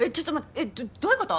えっどういうこと！？